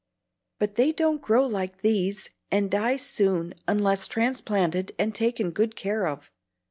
But they don't grow like these, and die soon unless transplanted and taken good care of.